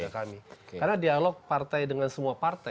karena dialog dengan semua partai